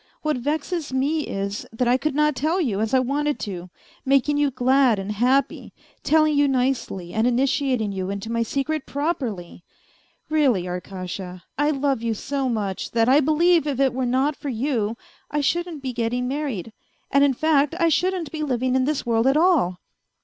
What vezes me is, that I could not tell you as I wanted to, making you glad and happy, telling you nicely and Initiating you into my secret properly. ... Really, Arkasha, I love you so much that I believe if it were not for you I shouldn't be getting married, and, in fact, I shouldn't be living in this world at all